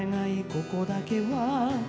ここだけは」